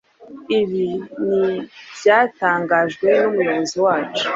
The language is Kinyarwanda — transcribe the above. ibi ni ibyatangajwe n'umuyobozi wacu